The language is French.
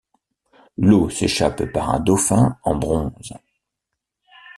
L'eau s'échappe par un dauphin en bronze.